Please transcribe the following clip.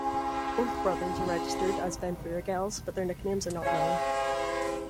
Both brothers are registered as Bentvueghels, but their nicknames are not known.